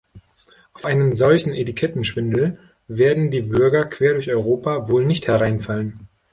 Auf einen solchen Etikettenschwindel werden die Bürger quer durch Europa wohl nicht hereinfallen.